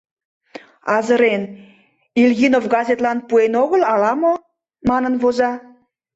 «Азырен, Ильинов газетлан пуэн огыл ала-мо?!» — манын воза.